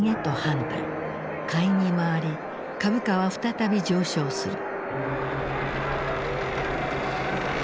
買いに回り株価は再び上昇する。